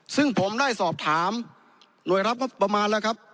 ซึ่งผมได้สอบถามหน่วยรับงบประมาณแล้วครับ